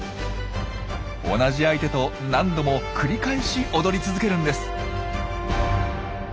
同じ相手と何度も繰り返し踊り続けるんです。